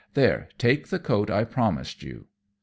There, take the coat I promised you."